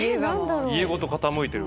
家ごと傾いてる。